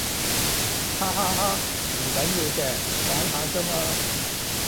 哈哈哈，唔緊要嘅，玩下咋嘛